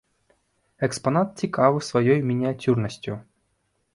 Экспанат цікавы сваёй мініяцюрнасцю.